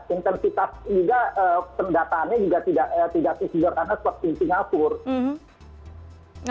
intensitas juga pendatanya juga tidak sebesar besar seperti di singapura